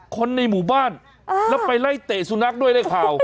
คนในหมู่บ้านแล้วไปไล่เตะสุนัขด้วยในข่าว